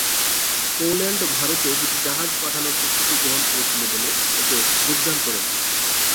Poland ভারতে দুটি জাহাজ পাঠানোর প্রস্ত্ততি গ্রহণ করছিল বলে এতে যোগদান করে নি।